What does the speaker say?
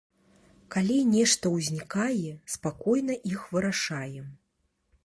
Калі нешта ўзнікае, спакойна іх вырашаем.